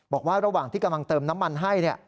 บอกว่าระหว่างที่กำลังเติมน้ำมันให้